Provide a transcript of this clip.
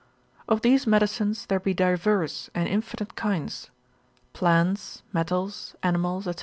Of these medicines there be diverse and infinite kinds, plants, metals, animals, &c.